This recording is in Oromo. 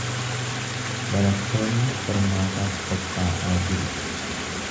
Barattoonni qormaataaf qophaa’aa jiru.